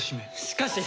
しかし！